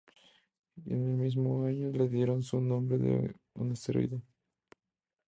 En el mismo año, le dieron su nombre a un asteroide.